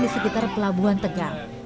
di sekitar pelabuhan tegal